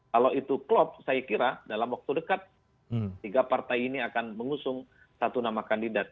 kalau itu klop saya kira dalam waktu dekat tiga partai ini akan mengusung satu nama kandidat